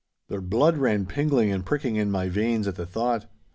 The blood ran pingling and pricking in my veins at the thought.